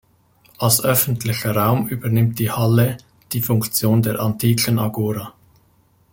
Als öffentlicher Raum übernimmt die Halle die Funktion der antiken Agora.